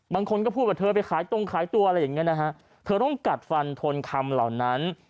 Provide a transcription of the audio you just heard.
บางคนก็พูดว่าเธอไปขายตรงขายตัวอะไรอย่างเงี้นะฮะเธอต้องกัดฟันทนคำเหล่านั้น